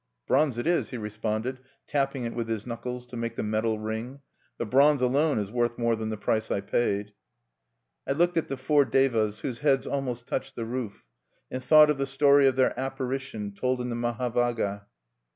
"Bronze it is," he responded, tapping it with his knuckles to make the metal ring. "The bronze alone is worth more than the price I paid." I looked at the four Devas whose heads almost touched the roof, and thought of the story of their apparition told in the Mahavagga.